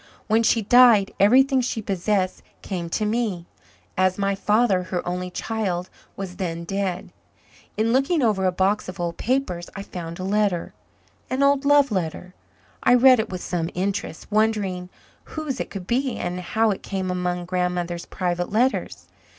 When she died everything she possessed came to me, as my father, her only child, was then dead. In looking over a box of old papers I found a letter an old love letter. I read it with some interest, wondering whose it could be and how it came among Grandmother's private letters.